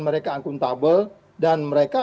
mereka akuntabel dan mereka